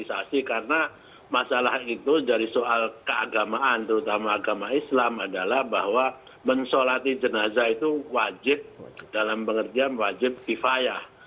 karena masalah itu dari soal keagamaan terutama agama islam adalah bahwa mensolati jenazah itu wajib dalam pengertian wajib vivaya